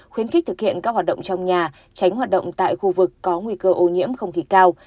khuyến khích thực hiện các hoạt động trong nhà tránh hoạt động tại khu vực có nguy cơ ô nhiễm không khí cao